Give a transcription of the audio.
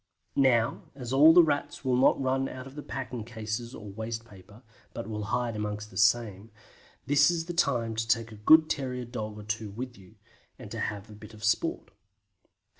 Now as all the Rats will not run out of the packing cases or waste paper, but will hide amongst the same, this is the time to take a good terrier dog or two with you, and to have a bit of sport.